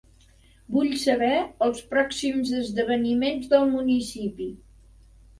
Vull saber els pròxims esdeveniments del municipi.